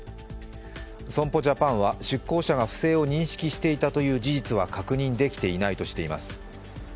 損保ジャパンは、出向者が不正を認識していたという事実は確認できていないとしています。